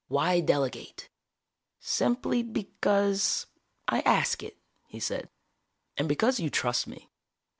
Why delegate?" "Simply because, I ask it," he said. "And because you trust me.